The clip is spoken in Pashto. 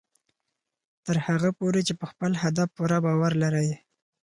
تر هغه پورې چې په خپل هدف پوره باور لرئ